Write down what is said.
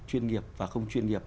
chuyên nghiệp và không chuyên nghiệp